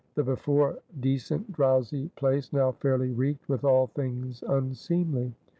The before decent, drowsy place, now fairly reeked with all things unseemly.